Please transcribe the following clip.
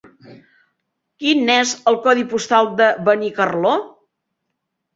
Quin és el codi postal de Benicarló?